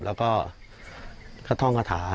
แล้วก็กระท่องกระถา